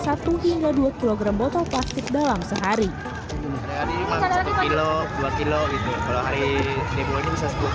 sebagian dari sepuluh kg barang dan botol plastik bekas minum